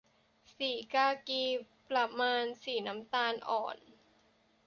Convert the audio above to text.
สีกากี ประมาณสีน้ำตาลอ่อน